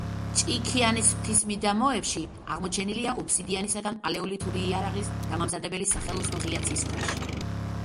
ჭიქიანის მთის მიდამოებში აღმოჩენილია ობსიდიანისაგან პალეოლითური იარაღის დამამზადებელი „სახელოსნო ღია ცის ქვეშ“.